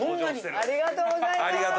ありがとうございます。